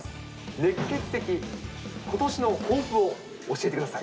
熱ケツ的ことしの抱負を教えてください。